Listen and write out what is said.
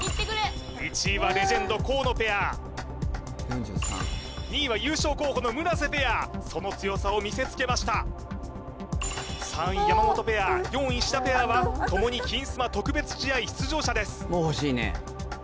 １位はレジェンド河野ペア２位は優勝候補の村瀬ペアその強さを見せつけました３位山本ペア４位石田ペアはともに金スマ特別試合出場者です